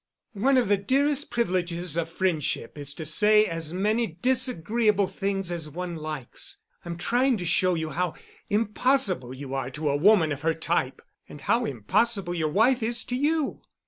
"One of the dearest privileges of friendship is to say as many disagreeable things as one likes. I'm trying to show you how impossible you are to a woman of her type, and how impossible your wife is to you."